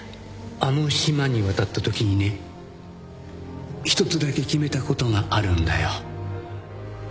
あの島に渡ったときにね１つだけ決めたことがあるんだよ。